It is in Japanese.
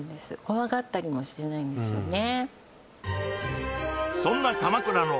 怖がったりもしてないんですよね